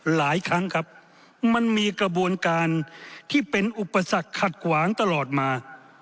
หลายครั้งครับมันมีกระบวนการที่เป็นอุปสรรคขัดขวางตลอดมา